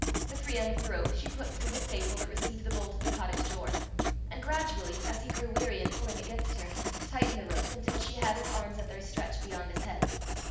The free end of the rope she put through the staple that received the bolt of the cottage door, and gradually, as he grew weary in pulling against her, tightened the rope until she had his arms at their stretch beyond his head.